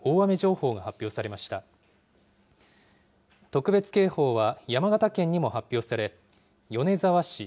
特別警報は山形県にも発表され米沢市、